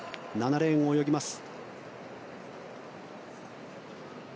７レーンを泳ぎます。